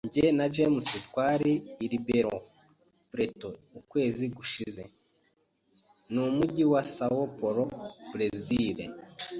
Jye na James twari i Ribeirão Preto ukwezi gushize. Numujyi wa São Paulo, Berezile.